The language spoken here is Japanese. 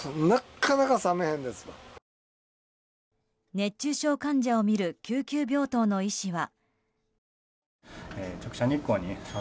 熱中症患者を診る救急病棟の医師は。